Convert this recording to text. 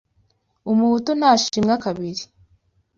Umuhutu ntashimwa kabili